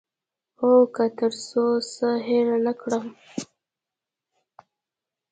هو، که تر څو څه هیر نه کړم